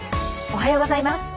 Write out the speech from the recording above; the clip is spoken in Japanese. おはようございます。